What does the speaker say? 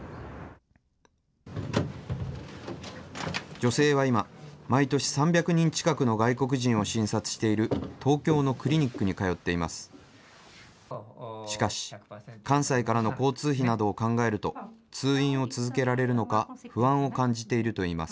女性は今、毎年３００人近くの外国人を診察している、東京のクリニックに通っています。